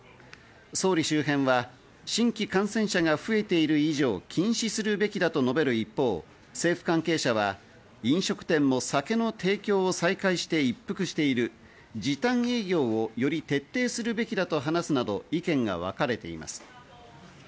総理周辺は新規感染者が増えている以上、禁止するべきだと述べる一方、政府関係者は飲食店も酒の提供再開して一服している、時短営業をより徹底するべきだと話すなど、意見が分かれています。